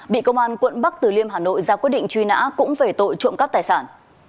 bị công an quận bắc từ liêm hà nội ra quyết định truy nã cũng về tội trộm cắp tài sản